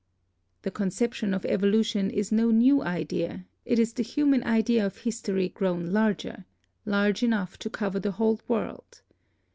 The conception of evolution is no new idea — it is the human idea of history grown larger, large enough to cover the whole world.